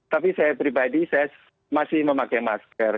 tapi saya pribadi saya masih memakai masker